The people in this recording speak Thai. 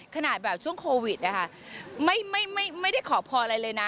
ขนาดแบบช่วงโควิดนะคะไม่ได้ขอพรอะไรเลยนะ